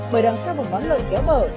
bởi đằng sau một món lợi kéo bở